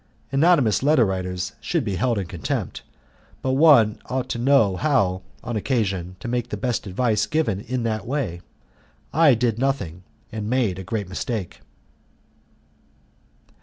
Anonymous letter writers should be held in contempt, but one ought to know how, on occasion, to make the best of advice given in that way. I did nothing, and made a great mistake.